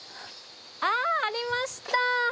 あっ、ありました。